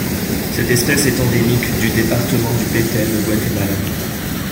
Cette espèce est endémique du département du Petén au Guatemala.